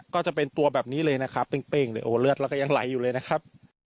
ก็จะเป็นตัวแบบนี้เลยนะครับเป้งเลยโอ้โหเลือดแล้วก็ยังไหลอยู่เลยนะครับ